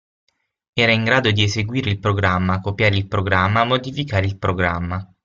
Era in grado di eseguire il programma, copiare il programma, modificare il programma.